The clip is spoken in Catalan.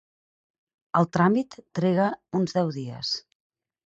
El tràmit triga uns deu dies.